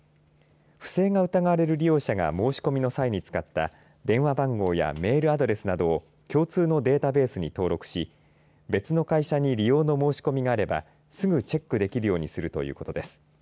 不正が疑われる利用者が申し込みの際に使った電話番号やメールアドレスなどを共通のデータベースに登録し別の会社に利用の申し込みがあればすぐチェックできるようにするということです。